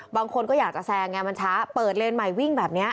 บางคนก็อยากจะแซงไงมันช้าเปิดเลนใหม่วิ่งแบบนี้